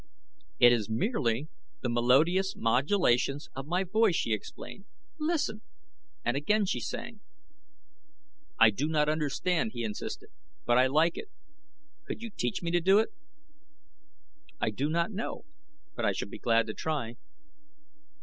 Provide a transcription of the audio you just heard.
"It is merely the melodious modulations of my voice," she explained. "Listen!" and again she sang. "I do not understand," he insisted; "but I like it. Could you teach me to do it?" "I do not know, but I shall be glad to try."